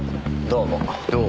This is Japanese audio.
どうも。